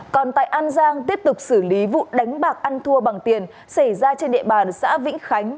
còn tại an giang tiếp tục xử lý vụ đánh bạc ăn thua bằng tiền xảy ra trên địa bàn xã vĩnh khánh